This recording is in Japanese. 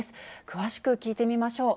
詳しく聞いてみましょう。